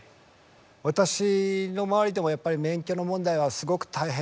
私の周りでもやっぱり免許の問題はすごく大変。